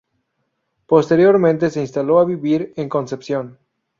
Posteriormente se instaló a vivir en Concepción.